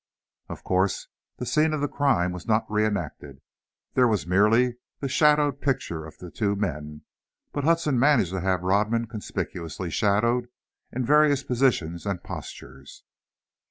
Of course, the scene of the crime was not re enacted, there was merely the shadowed picture of the two men, but Hudson managed to have Rodman conspicuously shadowed in various positions and postures.